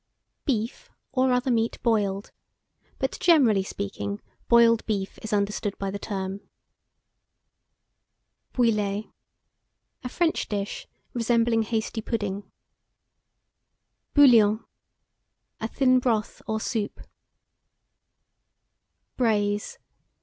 Beef or other meat boiled; but, generally speaking, boiled beef is understood by the term. BOUILLIE. A French dish resembling hasty pudding. BOUILLON. A thin broth or soup. BRAISE.